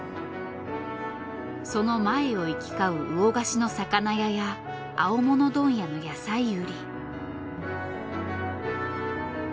その前を行き交う魚河岸の魚屋や青物問屋の野菜売り。